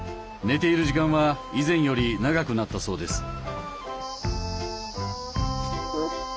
寝ている時間は以前より長くなったそうです。